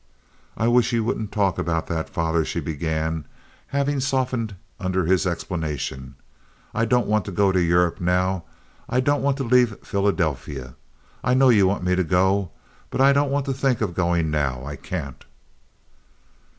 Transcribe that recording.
"I wish you wouldn't talk about that, father," she began, having softened under his explanation. "I don't want to go to Europe now. I don't want to leave Philadelphia. I know you want me to go; but I don't want to think of going now. I can't."